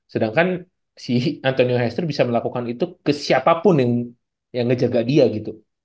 sedangkan si antonio hester bisa melakukan itu ke siapapun yang ngejaga dia gitu